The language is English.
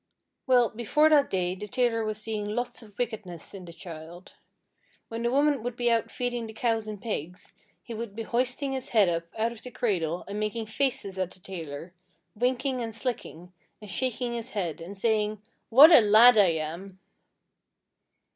Well, before that day the tailor was seeing lots of wickedness in the child. When the woman would be out feeding the cows and pigs, he would be hoisting his head up out of the cradle and making faces at the tailor, winking and slicking, and shaking his head, and saying 'What a lad I am!'